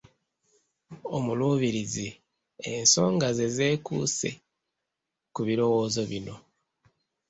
Omuluubirizi ensonga ze zeekuuse ku birowoozo bino: